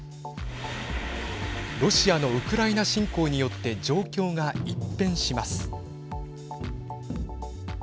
ロシアのウクライナ侵攻によって状況が一変します。